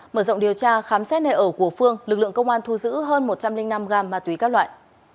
mở rộng điều tra khám xét nơi ở của phương lực lượng công an thu giữ hơn một trăm linh năm gam ma túy các loại